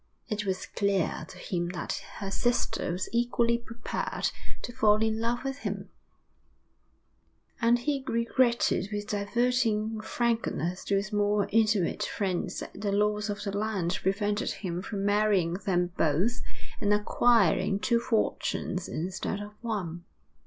It was clear to him that her sister was equally prepared to fall in love with him, and he regretted with diverting frankness to his more intimate friends that the laws of the land prevented him from marrying them both and acquiring two fortunes instead of one.